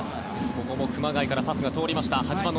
ここも熊谷からパスが通りました。